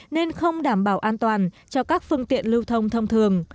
nên không đảm bảo an toàn cho các phương tiện lưu thông thông thường